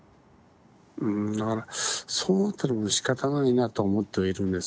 うんだからそうなったらもうしかたないなとは思ってはいるんです。